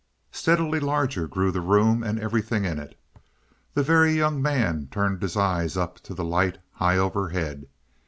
Steadily larger grew the room and everything in it. The Very Young Man turned his eyes up to the light high overhead.